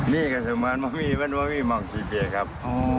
นี่ก็เหมือนบ้างมีบ้างมีมองสีเปียกครับ